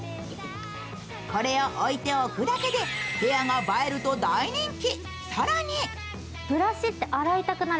これを置いておくだけで部屋が映えると大人気。